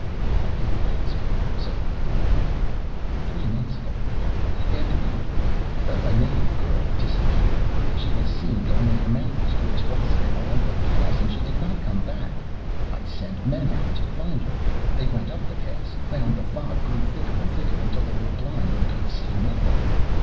I didn't answer, so he went on: "Three months ago it began, after the earthquake. A native girl disappeared. She was seen going into the mountains, toward Huascan along the Pass, and she did not come back. I sent men out to find her. They went up the Pass, found the fog grew thicker and thicker until they were blind and could see nothing.